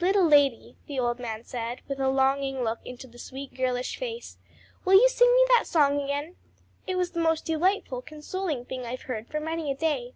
"Little lady," the old man said, with a longing look into the sweet girlish face, "will you sing me that song again? It was the most delightful, consoling thing I've heard for many a day."